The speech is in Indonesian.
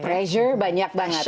pressure banyak banget